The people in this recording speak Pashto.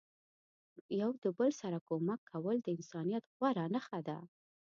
یو د بل سره کومک کول د انسانیت غوره نخښه ده.